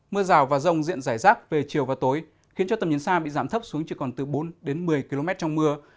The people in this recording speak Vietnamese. mưa rào và rông diện rải rác về chiều và tối khiến cho tầm nhìn xa bị giảm thấp xuống chỉ còn từ bốn đến một mươi km trong mưa